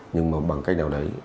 nhưng mà bằng cách nào đấy